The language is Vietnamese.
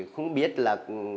không biết là